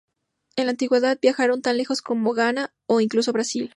En la antigüedad, viajaron tan lejos como Ghana o incluso Brasil.